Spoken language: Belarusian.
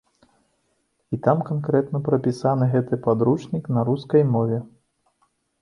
І там канкрэтна прапісаны гэты падручнік на рускай мове.